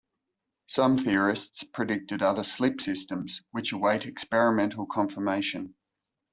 Some theorists predicted other slip systems, which await experimental confirmation.